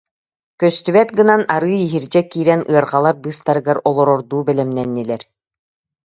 Көстүбэт гынан арыый иһирдьэ киирэн ыарҕалар быыстарыгар олорордуу бэлэмнэннилэр